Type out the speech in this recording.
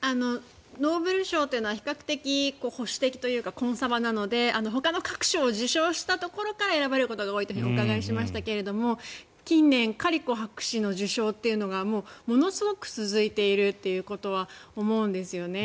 ノーベル賞というのは比較的、保守的というかコンサバなのでほかの各賞を受賞した人から選ばれることが多いとお伺いしましたが近年カリコ博士の受賞というのがものすごく続いているということは思うんですよね。